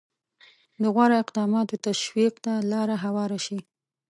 د غوره اقداماتو تشویق ته لاره هواره شي.